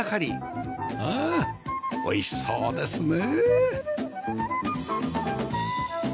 うん！美味しそうですね